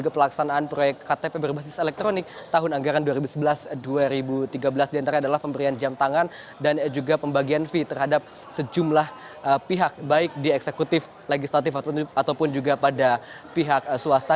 pelaksanaan proyek ktp berbasis elektronik tahun anggaran dua ribu sebelas dua ribu tiga belas diantara adalah pemberian jam tangan dan juga pembagian fee terhadap sejumlah pihak baik di eksekutif legislatif ataupun juga pada pihak swasta